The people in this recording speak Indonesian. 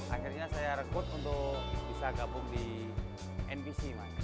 akhirnya saya rekut untuk bisa gabung di npc mas